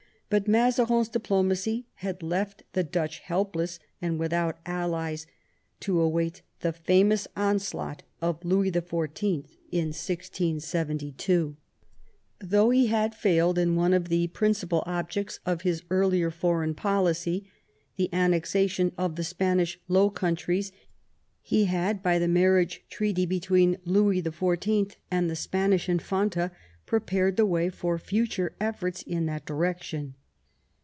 But Mazarin's diplo macy had left the Dutch helpless and without allies, to await the famous onslaught of Louis XIV. in 1672. IX MAZARIN'S DEATH, CHARACTER, AND WORK 163 Though he had failed in one of the principal objects of his earlier foreign policy — the annexation of the Spanish Low Countries — he had by the marriage treaty between Louis XIV. and the Spanish Infanta prepared the way for future efforts in that direction.